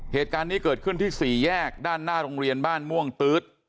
เหตุการณ์นี้เกิดขึ้นที่สี่แยกด้านหน้าโรงเรียนบ้านม่วงตื๊ด